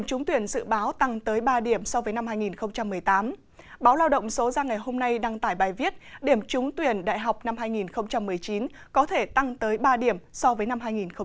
báo tuyển số ra ngày hôm nay đăng tải bài viết điểm trúng tuyển đại học năm hai nghìn một mươi chín có thể tăng tới ba điểm so với năm hai nghìn một mươi tám